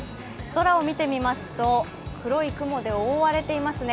空を見てみますと、黒い雲で覆われていますね。